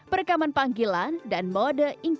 perekaman panggilan dan mode inklusi